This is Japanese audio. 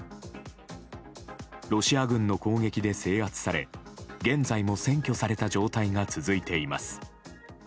ロシア軍の攻撃で制圧され現在も占拠された状態が続いています。